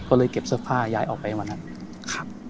ก็เลยเก็บเสื้อผ้าย้ายออกไปวันนั้นครับ